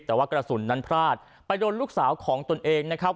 แต่ว่ากระสุนนั้นพลาดไปโดนลูกสาวของตนเองนะครับ